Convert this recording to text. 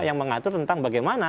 yang mengatur tentang bagaimana